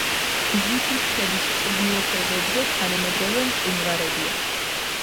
ბზიფის ქედის ჩრდილო ფერდობზე თანამედროვე მყინვარებია.